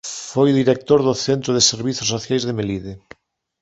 Foi Director do Centro de Servizos Sociais de Melide.